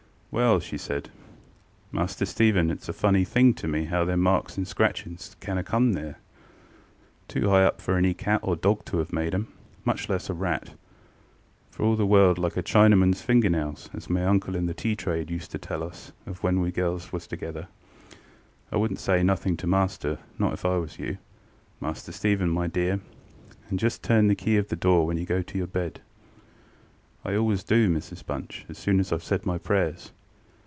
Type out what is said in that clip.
ŌĆ£Well, ŌĆØ she said, ŌĆ£Master Stephen, itŌĆÖs a funny thing to me how them marks and scratches can ŌĆÖaŌĆÖ come thereŌĆötoo high up for any cat or dog to ŌĆÖave made ŌĆÖem, much less a rat: for all the world like a ChinamanŌĆÖs finger nails, as my uncle in the tea trade used to tell us of when we was girls together. I wouldnŌĆÖt say nothing to master, not if I was you, Master Stephen, my dear; and just turn the key of the door when you go to your bed. ŌĆØ ŌĆ£I always do, Mrs Bunch, as soon as IŌĆÖve said my prayers.